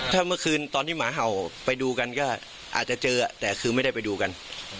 ถ้าเมื่อคืนตอนที่หมาเห่าไปดูกันก็อาจจะเจอแต่คือไม่ได้ไปดูกัน